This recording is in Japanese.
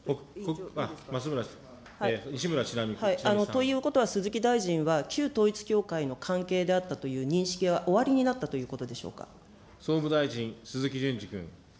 ということは、鈴木大臣は旧統一教会の関係であったという認識はおありになった総務大臣、鈴木淳司君。